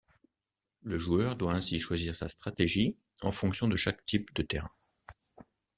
Le joueur doit ainsi choisir sa stratégie en fonction de chaque type de terrain.